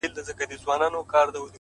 اراده د ستونزو پولې ماتوي.!